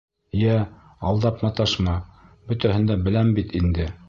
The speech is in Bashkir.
Йә, алдап маташма, бөтәһен дә беләм бит инде!